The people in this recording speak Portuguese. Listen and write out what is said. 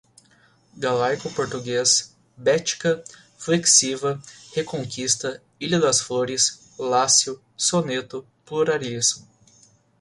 galaico-português, Bética, flexiva, Reconquista, ilha das Flores, Lácio, soneto, pluralismo